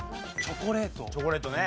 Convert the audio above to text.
チョコレートね。